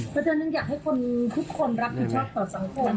เพราะฉะนั้นอยากให้คนทุกคนรับผิดชอบต่อสังคม